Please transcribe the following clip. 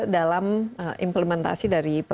dalam implementasi dari